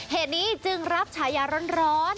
เหตุนี้จึงรับฉายาร้อน